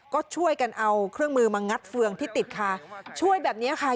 ก็ช่วยกันเอาเครื่องมือมางัดเฟืองที่ติดค่ะช่วยแบบนี้ค่ะ